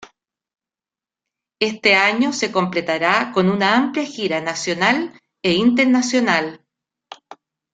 Este año se completará con una amplia gira nacional e internacional.